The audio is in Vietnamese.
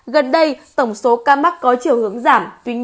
gần đây tổng số ca mắc có chiều hướng giảm